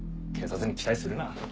警察に期待するな。